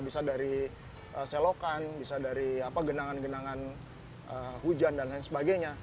bisa dari selokan bisa dari genangan genangan hujan dan lain sebagainya